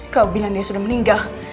kamu bilang dia sudah meninggal